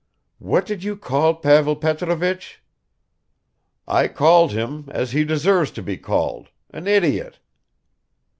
"What did you call Pavel Petrovich?" "I called him, as he deserves to be called, an idiot."